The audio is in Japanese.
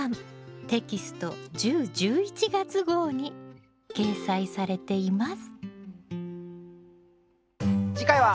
テキスト１０・１１月号に掲載されています。